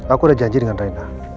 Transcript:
aku udah janji dengan reina